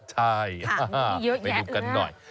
ใช่ไปดูกันหน่อย